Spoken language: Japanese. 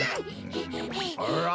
あら。